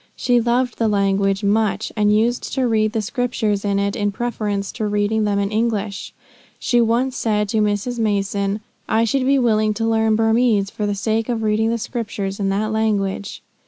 She loved the language much; and used to read the Scriptures in it in preference to reading them in English. She once said to Mrs. Mason, "I should be willing to learn Burmese, for the sake of reading the Scriptures in that language."